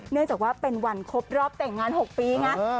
เนื่องจากว่าเป็นวันครบรอบแต่งงาน๖ปีไง